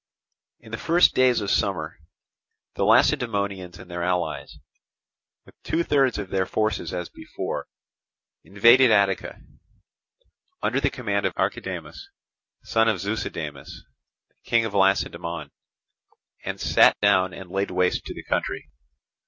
In the first days of summer the Lacedaemonians and their allies, with two thirds of their forces as before, invaded Attica, under the command of Archidamus, son of Zeuxidamus, King of Lacedaemon, and sat down and laid waste the country.